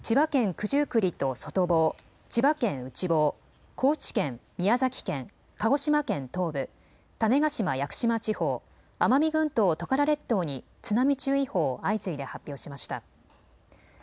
九十九里と外房、千葉県内房、高知県、宮崎県、鹿児島県東部、種子島・屋久島地方、奄美群島・トカラ列島に津波注意報を相次いで発表しました。